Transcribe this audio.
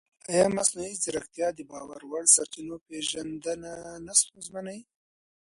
ایا مصنوعي ځیرکتیا د باور وړ سرچینو پېژندنه نه ستونزمنوي؟